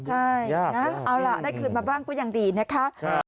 ใช่นะเอาล่ะได้คืนมาบ้างก็ยังดีนะคะ